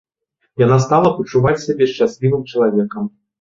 Яна стала пачуваць сябе шчаслівым чалавекам.